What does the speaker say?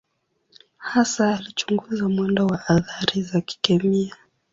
Hasa alichunguza mwendo wa athari za kikemia.